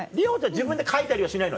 自分で描いたりはしないの？